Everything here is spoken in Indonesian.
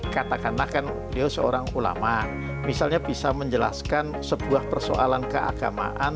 katakanlah kan beliau seorang ulama misalnya bisa menjelaskan sebuah persoalan keagamaan